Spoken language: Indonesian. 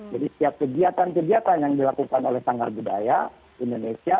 jadi setiap kegiatan kegiatan yang dilakukan oleh tanggal budaya indonesia